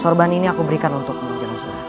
sorban ini aku berikan untukmu jenisnya